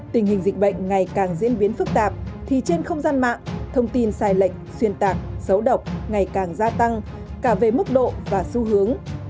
tình hình dịch bệnh ngày càng diễn biến phức tạp thì trên không gian mạng thông tin sai lệch xuyên tạc xấu độc ngày càng gia tăng cả về mức độ và xu hướng